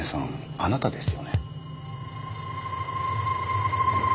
あなたですよね。